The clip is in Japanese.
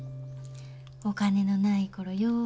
お金のない頃よう